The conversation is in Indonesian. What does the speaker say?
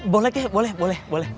boleh kek boleh boleh